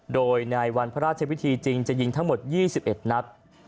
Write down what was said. โดยในวันพระราชวิธีจริงจะยิงทั้งหมด๒๑นัด